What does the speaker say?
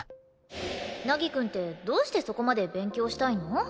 凪くんってどうしてそこまで勉強したいの？